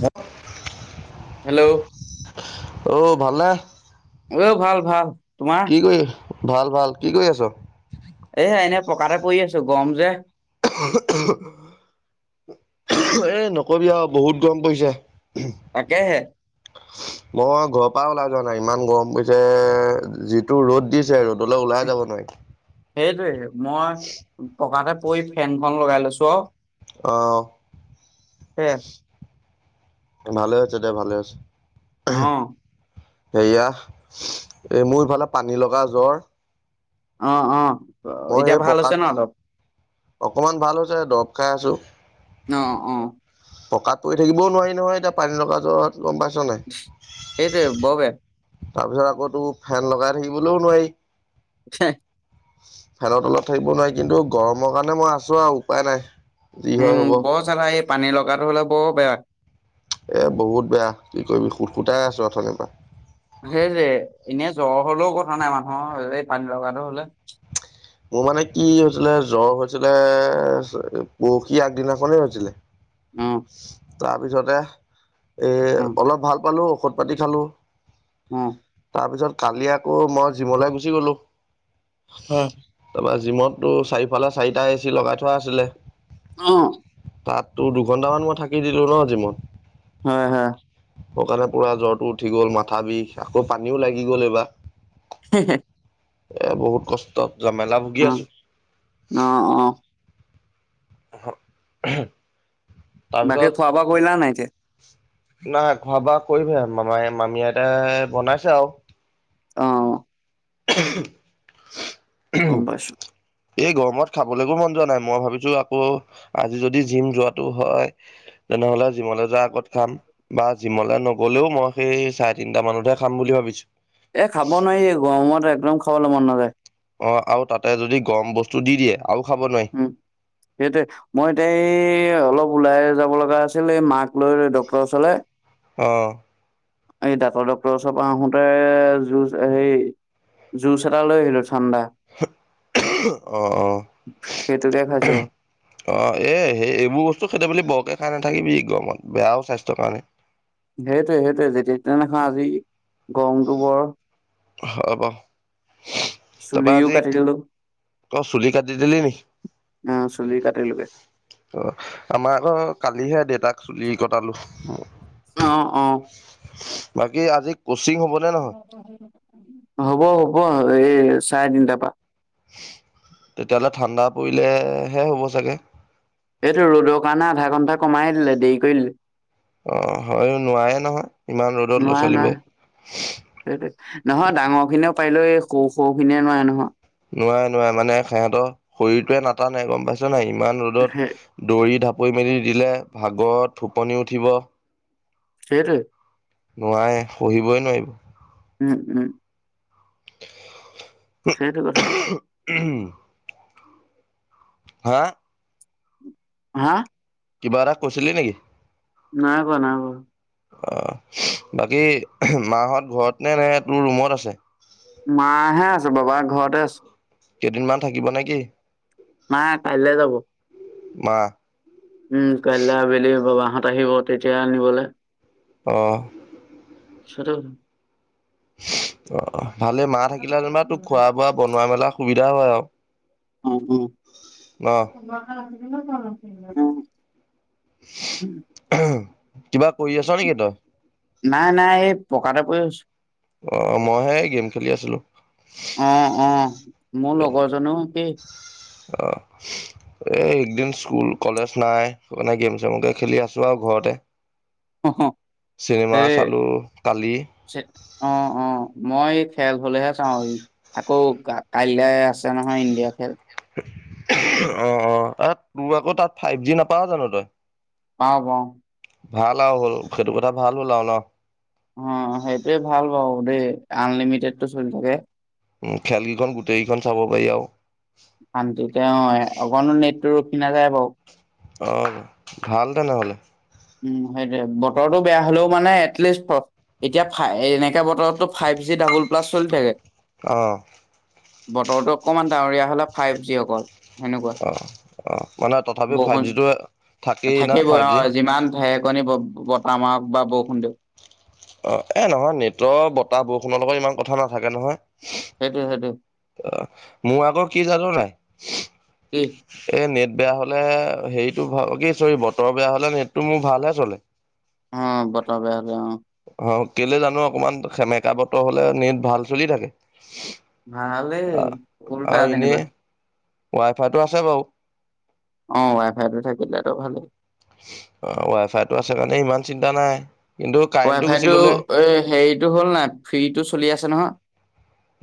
ন [inaudible] hello! ভালে। ঐ ভাল ভাল, তোমাৰ? ভাল ভাল কি কৰি আছ? এহ এনেই পকাতে পৰি আছো গৰম যে। এ নকবি আৰু বহুত গৰম পৰিছে। তাকে হে মই ঘৰৰ পৰা ওলাই যোৱা নাই ইমান গৰম পইছে যিটো ৰ'দ দিছে ৰ'দ [unintelligible] সেইটোৱে মই পকাতে পই ফেনখন লগাই লৈছো আও আহ। হে [unintelligible] ভালে আছে দে ভালে আছ [unintelligible] অ সেয়া, এই মোৰ ইফালে পানী লগা জ্বৰ। অ অহ মই সেই পকাত অকমান ভাল হৈছে দৰব খাই আছো অ অ পকাত পৰি থাকিবও নোৱাৰি নহয় এতিয়া পানী লগা জ্বৰত। গম পাইছ নাই সেইটোৱে বৰ বেয়া তাৰ পিছত আকৌ তো ফেন লগাই থাকিবলৈও নোৱাৰি হে ফেন তলত থাকিব নোৱাৰি কিন্তু গৰমৰ কাৰণে মই আছো আৰু উপায় নাই যি হয় উম হ'ব। বৰ চালা এই পানী লগাটো হ'লে বৰ বেয়া এ বহুত বেয়া কি কৰিবি খুত খুটাই আছো অথনি পা সেই যে এনেই জ্বৰ হলেও কথা নাই মানুহৰ এই পানী লগাটো হলে মোৰ মানে কি হৈছিলে জ্বৰ হৈছিলে পৰশি আগদিনাখনেই হৈছিলে উম তাৰপিছতে এ অলপ ভাল পালো ঔষধ পাতি খালো উম তাৰপিছত কালি আকৌ মই জিমলৈ গুচি গলো। হ তাৰপৰা জিমতটো চাৰিফালে চাৰিটা এ চি লগাই থোৱা আছিলে অ তাত ত দুঘন্টামান মই থাকি দিলো ন জিমট হয় হয় স কাৰণে পুৰা জ্বৰটো উঠি গ'ল মাথা বিষ আকৌ পানীও লাগি গ'ল এইবাৰ হে হে। এ বহুত কষ্ট যমেলা ভুগি অ আছো। অ অ [inaudible] বাকী তাৰপিছত খোৱা বোৱা কৰিলা নাই এতিয়া নাই খোৱা বোৱা কৰিমহে মামাই মামীয়ে আইতাই বনাইছে আউ অ [inaudible] গম পাইছো এই গৰমত খাবলৈকো মন যোৱা নাই মই ভাবিছো আকৌ আজি যদি জিম যোৱাটো হয় তেনেহলে জিমলৈ যোৱাৰ আগত খাম বা জিমলে নগলেও মই সেই চাৰে তিনটা মানতহে খাম বুলি ভাবিছো এ খাব নোৱাৰি গৰমত একদম খাবলৈ মন নাযায় অ আৰু তাতে যদি গৰম বস্তু দি দিয়ে আৰু খাব নোৱাৰি উম সেইটোৱে মই এতিয়া এই অলপ ওলাই যাব লগা আছিল এই মাক লৈ ডক্তৰ ওচৰলৈ আহ এই দাঁতৰ ডক্টৰৰ ওচৰ পৰা আহোতে যুজ হেই যুঁজ এটা লৈ আহিলো ঠাণ্ডা অ অ সেইটোকে খাইছো অ এ সেই এইবোৰ বস্তু খেদিব [unintelligible] বৰকে খাই নাথাকিবি গৰমত বেয়াও স্বাস্থ্যৰ কাৰণে সেইটোৱে সেইটোৱে যেতিয়া দেখিছা নহয় আজি গৰমটো বৰ [unintelligible] হ'ব। তাৰপা চুলিও আজি, কাটি দিলো তই চুলি কাটি দিলি নিকি? অ চুলি কাটিলোগে অ আমাৰ আকৌ কালিহে দেউতাক চুলি কটালো। অ, অ। বাকী আজি কচিং হ'বনে নহয়? হ'ব হ'ব। এই চাৰে তিনটাৰ পৰা। তেতিয়াহ'লে ঠাণ্ডা পৰিলেহে হ'ব চাগে। এইটো ৰ'দৰ কাৰণে আধা ঘণ্টা কমাই দিলে দেৰি কৰি দিলে। অ হয়, নোৱাৰেও নহয় ইমান ৰ'দত ল'ৰা নোৱাৰে ছোৱালীবোৰে। নোৱাৰে সেইটোৱে। নহয় ডাঙৰ খিনিয়েও পাৰিলেও, এই সৰু সৰু খিনিয়ে নোৱাৰে নহয়। নোৱাৰে নোৱাৰে। মানে সেহেতৰ শৰীৰটোৱে নাটানে, গম পাইছ নাই? ইমান ৰ'দত দৌৰি ঢাপৰি মেলি দিলে ভাগৰত সুপনি উঠিব। হেটোৱে। নোৱাৰে, পঢ়িবই নোৱাৰিব। উম উম। [inaudible] সেইটো কথা। উম। হা? হা? কিবা এটা কৈছিলি নিকি? নাই কোৱা, নাই কোৱা। অ, বাকী মা হত ঘৰত নে নে তোৰ ৰুমত আছে? মা হে আছে, বাবা ঘৰতে আছে। কেইদিনমান থাকিব নে কি? নাই, কাইলৈ যাব। মা? উম, কাইলৈ আবেলি বাবাহঁত আহিব তেতিয়া নিবলে। অ। [unintelligible] অ ভালে, মা থাকিলে যেনিবা তোক খোৱা বোৱা বনোৱা মেলা সুবিধা হয় আৰু। উম উম, ন উম। [unintelligible] উম। কিবা কৰি আছ নেকি তই? নাই নাই এই পকাতে পৰি আছো। অ মইহে গেম খেলি আছিলো। অ অ, মোৰ লগৰজনীও একেই। অ, এই একদিন স্কুল, কলেজ নাই সেইকাৰণে গেম চেমকে খেলি আছো আৰু ঘৰতে। অ, স, চিনেমা এ, চালো কালি চে, অ- অ। মই খেল হলেহে চাওঁ, আকৌ কাইলে আছে নহয় ইণ্ডিয়া খেল। অ -অ, তোৰ আকৌ তাত ফাইভ জি নাপাৱ জানো তই? পাও পাও। ভাল আৰু হ'ল সেইটো কথা ভাল হ'ল আৰু ন? অ সেইটোৱে ভাল বাৰু দেই আনলিমিটেডটো চলি থাকে। উ খেল কেইখন গোটেই কেইখন চাব পাৰি আৰু। শান্তি তেওঁ অকণো নেটটো ৰখি নাযায় বাৰু। অ, ভাল তেনেহ'লে। উম, সেইটোৱে। বতৰটো বেয়া হলেও মানে এটলিষ্ট এতিয়া ফাই এনেকে বতৰতটো ফাইভ জি ডাবল প্লাচ চলি থাকে। অঁ। বতৰটো অকমান ডাৱৰীয়া হলে ফাইভ জি অকল সেনেকুৱা। অ' অ' মানে তথাপিও ফাইভ বৰষুণ জিটো থাকেই না থাকিব ফাইভ অ জি যিমান ঢেৰেকণী ব বতাহ মাৰক বা বৰষুণ দিয় অ এ নহয় নেটৰ বতাহ বৰষুণৰ লগত ইমান কথা নাথাকে নহয়। সেইটো সেইটো অ মোৰ আগৰ কি জানো নাই? কি এ নেট বেয়া হলে হেৰিটো অ কি চৰি বতৰ বেয়া হলে নেটটো মোৰ ভালহে চলে। অ বতৰ বেয়া বেয়া অ। অ কেলে জানো অকমান সেমেকা বতৰ হলে নেট ভাল চলি থাকে। ভালে ওলোটা যেনিবা। ৱাইফাইটো আছে বাৰু। অ ৱাই ফাইটো থাকিল আৰু ভালেই। অ ৱাই ফাইটো আছে কাৰণে ইমান চিন্তা নাই। কিন্তু ৱাই কাৰেণ্টটো গুচি ফাইটো গ'লে এ হেৰিটো হ'ল নাই ফ্ৰীটো চলি আছে নহয়।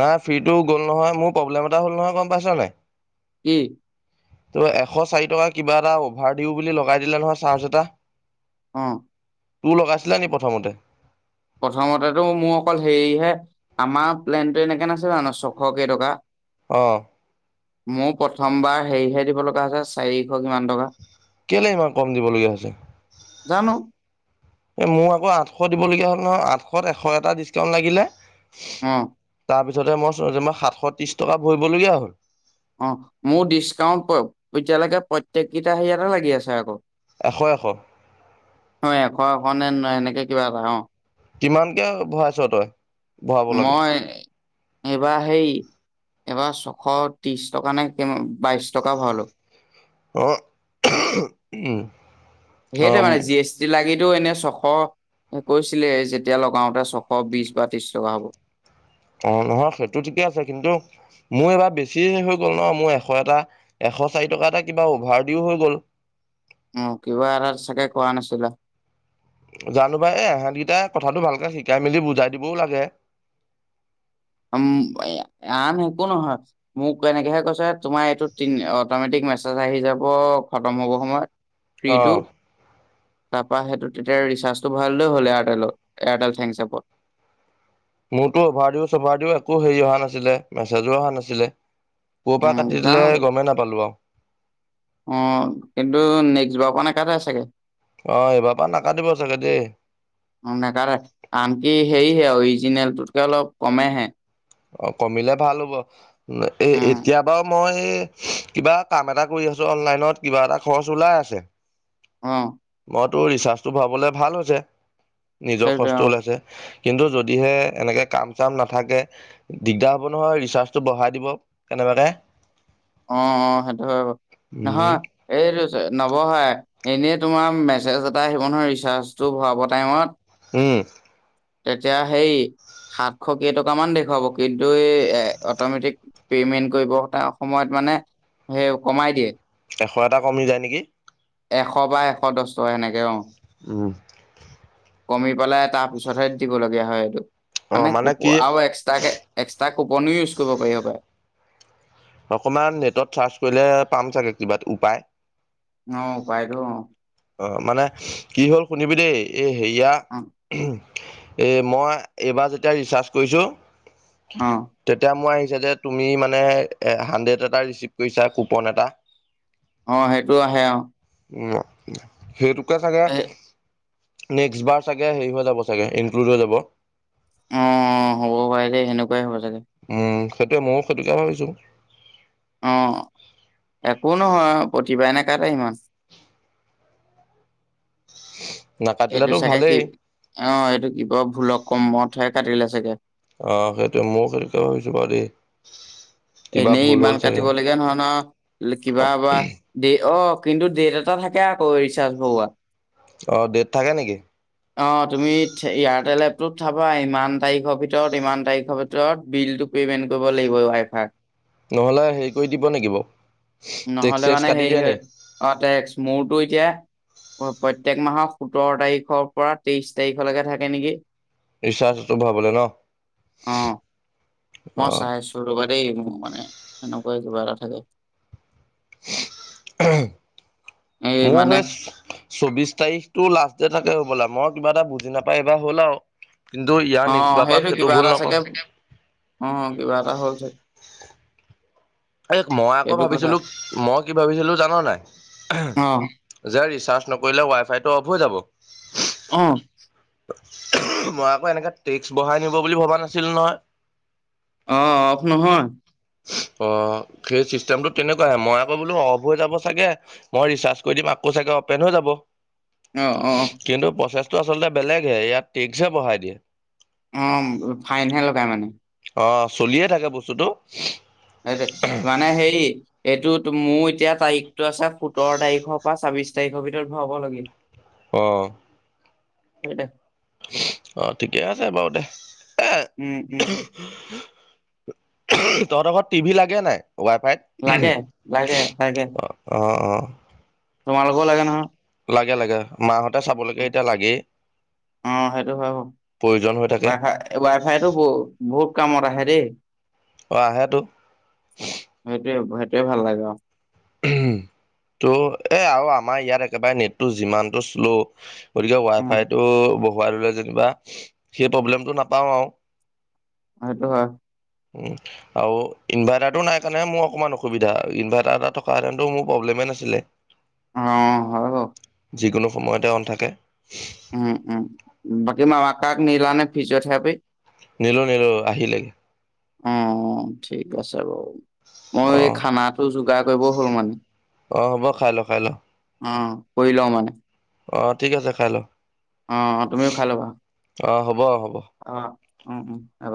নাই ফ্ৰীটো গ'ল নহয় মোৰ প্ৰব্লেম এটা হ'ল নহয় গম পাইছ নাই? কি? ত এশ চাৰি টকা কিবা এটা অভাৰ দিওঁ বুলি লগাই দিলে নহয় চাৰ্চ এটা। অ তোৰ লগাইছিলা নি প্ৰথমতে? প্ৰথমতেটো মোৰ অকল হেৰিহে আমা, ৰ প্লেনটো এনেকে নাছিলে জানো ছশ কেইটকা? অহ। মোৰ প্ৰথমবাৰ হেৰিহে দিব লগা হৈছে চাৰি কেলে ইমান কম দিবলগীয়া হৈছে। জানো এ মোক আকৌ আঠশ দিবলগীয়া হ'ল নহয়। আঠশত এশ এটা ডিচকাউন্ট লাগিলে অ। পিছলে মই চজে মই সাতশ ত্ৰিশ টকা ভৰিবলগীয়া হ'ল। অ, মোৰ ডিচকাউন্ট এতিয়ালৈকে প্ৰত্যেককেইটা হেৰি অতে লাগি আছে আকৌ এশ এশ অ এশ এশনে এনেকে কিবা এটা অ। কিমানকে ভৰাইছ তই? ভৰাব লাগে মই এইবাৰ সেই এইবাৰ চ এশ ত্ৰিশ টকা নে বাইশ টকা ভৰালো। আহ। সেইটোৱে মানে জি এছ টি লাগি এইটো এনে ছশ কৈছিলে যেতিয়া লগাওতে ছশ বিশ বা ত্ৰিশ টকা হ'ব। অ নহয় সেইটো ঠিকে আছে কিন্তু মোৰ এবাৰ বেছি হৈ গ'ল ন মোৰ এশ এটা এ এশ চাৰি টকা এটা কিবা অভাৰ দিও হৈ গ'ল। উম কিবা এটা চাগে কোৱা নাছিলো। জানো বা এই এহেতকেইটাই কথাটো ভালকে শিকাই মেলি বুজাই দিবও লাগে। উম আন একো নহয়, মোক এনেকেহে কৈছে তোমাৰ এইটো তি অটমেটিক মেছেজ আহি যাব খতম হ'ব সময়ত অ ফ্ৰীটো। তাৰপৰা সেইটো তেতিয়া ৰিচাৰ্জটো ভৰাই ললেই হ'ল এয়াৰটেলত এয়াৰটেল থেংকচ এপত। মোৰতো অভাৰ দিও চভাৰ দিও একো হেৰি অহা নাছিলে, মেছেজো অহা নাছিলে। কৰ পৰা উম কাটি যাওঁ দিলে গমেই নাপালো আৰু। অ, কিন্তু নেক্সট বাৰৰ পৰা নেকাটে চাগে? অ এইবাৰ পৰা নাকাটিব চাগে দেই মনে কাৰ আনকি সেৰিহে অৱি জিনেলটোতকে অলপ কমেহে। অ কমিলে ভাল হ'ব, এ উম, এতিয়া বাৰু মই কিবা কাম এটা কৰি আছো। অনলাইনত কিবা এটা খৰচ ওলাই আছে। অহ। মো ৰিচাৰ্চটো ভৰাবলে ভাল হৈছে নিজৰ সেইটোৱে খচটো অ', ওলাইছে। কিন্তু যদিহে এনেকৈ কাম চাম নাথাকে দিগদাৰ হ'ব নহয় ৰিচাৰ্জটো বঢ়াই দিব কেনেবাকে অ অ সেইটো হয় উম নহয় এইটো নৱহাই [unintelligible] এনেই তোমাৰ মেছেজ এটা আহিব নহয় ৰিচাৰ্জটো ভৰাব টাইমত। উম তেতিয়া সেই। সাতশ কেইটকা মান দেখুৱাব কিন্তু এ অট'মেটিক পেমেন্ট কৰিব। সময়ত মানে সেই কমাই দিয়ে এশ এটা কমি যায় নেকি। এশ বা এশ দশ টকা সেনেকে অ। উম কমি পেলাই তাৰ পিছতহে দিব লগীয়া হয় এইটো অ মানে কুপ কি আৰু এক্সট্ৰাকে তাক কোপনীও ইউজ কৰিব পাৰি হপাই [unintelligible] অকমান নেটত চাৰ্চ কৰিলে পাম চাগে কিবা উপায় অ পাইদো অ [unintelligible] অ মানে কি হ'ল শুনিবি দেই এই হেয়া। অ অ [unintelligible] এই মই এইবাৰ যেতিয়া ৰিচাৰ্জ কৰিছোঁ তেতিয়া মই যে তুমি মানে হাণ্ডেড এটা ৰিচিভ কৰিছা কুপন এটা অ সেইটোও আহে আৰু। উ সেইটোকে চাগে নেক্স বাৰ চাগে হেৰি হৈ যাব চাগে ইনকড হৈ যাব। অ হ'ব পাৰে দে সেনেকুৱাই হ'ব চাগে। সেইতো ময়ো ক্ষতিক ভাবিছোঁ। [unintelligible] অ এয়াত আহি মাছ [unintelligible] এইটো নাকাটিলেতো চাগে কি ভালেই। অ এইটো কিব ভুলক কমতহে কাটিলে চাগে। [unintelligible] আহ সেইটোৱে মৌ [unintelligible] সেইটোকে ভাবিছো বাৰু দেই কিবা এনেই ভুল ইমান হ'ল চাগে। কাটিব লগীয়া নহয় ন অ কিবা বা দেৰি অ কিন্তু ডেট এটা থাকে আকৌ ৰিচাৰ্জ ভৰোৱা। অ ডেট থাকে নেকি অ তুমি ইয়াত লেপটোত চাবা ইমান তাৰিখৰ ভিতৰত ইমান তাৰিখৰ ভিতৰত বিল টো পে'মেণ্ট কৰিব লাগিব ৱাই ফাই। [unintelligible] নহলে হেৰি কৰি দিব নেকি বাৰু। টেক্স নহ'লে চেক্স মানে কাটি হেৰি দিয়ে নি হয় অ স্মুথ। টো এতিয়া প্ৰত্যেক মাহৰ সোতৰ তাৰিখৰ পৰা তেইশ তাৰিখলৈকে থাকে নেকি ৰিচাৰ্জটো ভৰাবলৈ ন অ অ মই চাইছো ৰবা দেই মানে এনেকোৱাই কিবা এটা থাকে এই মোৰ মানে সেই চৌবিশ তাৰিখতটো লাষ্ট ডেট আ হবলা মই কিবা এটা বুজি নাপাই এইবাৰ হ'ল আৰু কিন্তু ইয়াৰ অ নেক্সবাৰপা সেইটো কিবা এটা ভুল নকওঁ চাগে অ কিবা এটা হ'ল চাগে এই মই আকৌ সেইটো কথা ভাবিছিলো মই কি ভাবিছিলো জানা নাই অ যে। চাৰ্জ নকৰিলে ৱাই ফাইটো অফ হৈ যাব আহ মই আকৌ এনেকে টেক্স বঢ়াই নিব বুলি ভবা নাছিলো নহয়। অ অফ নহয় অ সেই চিষ্টেমটো তেনেকোৱাই মই আকৌ বোলো অফ হৈ যাব চাগে মই ৰিচাৰ্জ কৰি দিম [unintelligible] আকৌ চাগে অপেন হৈ যাব অ অ তোৰ আচলতে বেলেগহে ইয়াত টেক্সহে বহাই দিয়ে অ ফাইনহে লগাই মানে। অ চলিয়ে থাকে বস্তুটো সেইটো মানে হে। এইটো মোৰ এতিয়া তাৰিখটো আছে সোঁতৰ তাৰিখৰ পৰা ছাব্বিশ তাৰিখৰ ভিতৰত ভৰাব লাগিল। আহ সে তে অ ঠিকে আছে বাৰু দে উম উম। তহঁতঘৰত টিভি লাগে নাই? ৱাই লাগে লাগে ফাইত অ অ অ তোমাল লোক লাগে ন হয লাগে লাগে মাহঁতে চাবলৈকে এতিয়া লাগেই অ সেইটো হয় প্ৰয়োজন হৈ থাকে ৱাইফাই ৱাই ফাইতো বহু বহুত কামত আহে দেই। অঁ আহেতো সেই ভাল লাগে আও ত' এ আৰু আমাৰ ইয়াত একেবাৰে নেটটো যিমানতটো শ্ল'। গতিকে উম ৱাইফাইটো বহুৱাই ললে যেনিবা সেই প্ৰব্লেমটো নাপাওঁ আও। সেইটো হয়। উ আৰু ইনভাৰ্টাৰটো নাই কাৰণে মোৰ অকণমান অসুবিধা ইনভাৰ্টাৰ এটা ফাদানতো মোৰ প্ৰব্লেম নাছিলে অ হ‌হয় বাওঁ।। যিকোনো সময়তে অন থাকে উম উম বাকী মা কাক নিলা নে ফিজিঅ'থেৰাপি। নিলো নিলো আহিলেগে অ ঠিক আছে বাৰু অ মই এই খানাটো যোগাৰ কৰিব হ'ল মানে। অ হ'ব খাই খাই ল। অ কৰি লওঁ মানে। অ ঠিক আছে খাই ল অ তুমিও খাই লবা অঁ হ'ব হ'ব। অ উম উম হব।